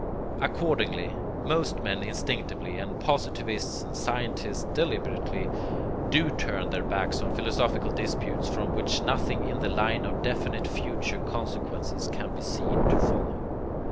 Accordingly, most men instinctively, and positivists and scientists deliberately, do turn their backs on philosophical disputes from which nothing in the line of definite future consequences can be seen to follow.